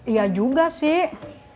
iya juga sih